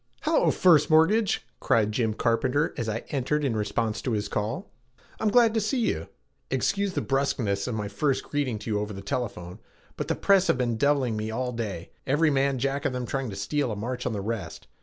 "Hello, First Mortgage!" cried Jim Carpenter as I entered in response to his call. "I'm glad to see you. Excuse the bruskness of my first greeting to you over the telephone, but the press have been deviling me all day, every man jack of them trying to steal a march on the rest.